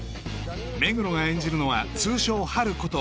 目黒が演じるのは通称ハルこと